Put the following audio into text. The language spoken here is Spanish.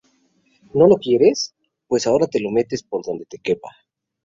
¿No lo quieres? Pues ahora te lo metes por donde te quepa